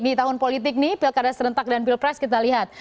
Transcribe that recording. di tahun politik nih pilkada serentak dan pilpres kita lihat